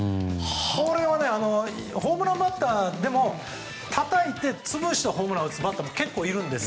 これは、ホームランバッターでもたたいて、潰してホームランを打つバッターは結構いるんです。